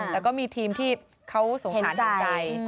แต่ก็มีทีมที่เขาสงสารทางใจ